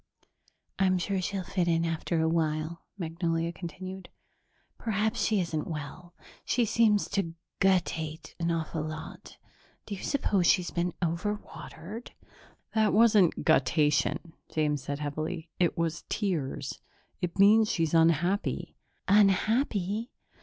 "I'm sure she'll fit in after a while," Magnolia continued. "Perhaps she isn't well. She seems to guttate an awful lot. Do you suppose she's been overwatered?" "That wasn't guttation," James said heavily. "It was tears. It means she's unhappy." "Unhappy?